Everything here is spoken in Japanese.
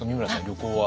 旅行は？